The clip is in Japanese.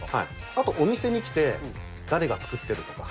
あとお店に来て誰が作ってるかとか。